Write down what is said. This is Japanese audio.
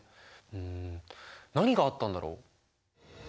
ん何があったんだろう？